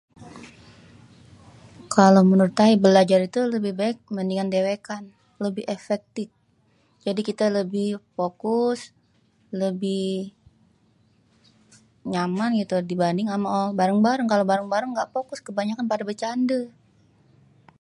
Kalo menurut ayé belajar itu lebih baik mendingan dewékan, lebih efektip. Jadi kite lebih fokus, lebih nyaman gitu dibanding ama bareng-bareng. Kalo bareng-bareng nggak fokus, kebanyakan pada becandè.